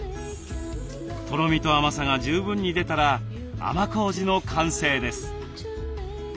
とろみと甘さが十分に出たら甘こうじの完成です。